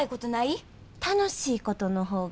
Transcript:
楽しいことの方が多いわ。